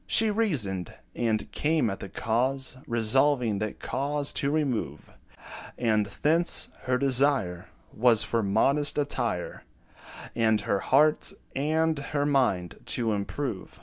She reasoned, and came at the cause, Resolving that cause to remove; And thence, her desire Was for modest attire, And her heart and her mind to improve.